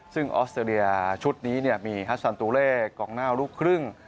ซึ่งออสเตรเลียชุดนี้มีฮัสซันตูเล่กองหน้าลูกครึ่ง